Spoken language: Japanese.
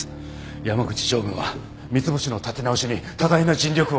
山口常務は三ツ星の立て直しに多大な尽力を。